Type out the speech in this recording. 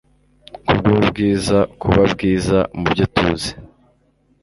kubwubwiza kuba bwiza mubyo tuzi